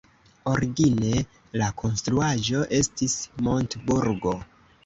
Origine la konstruaĵo estis montburgo.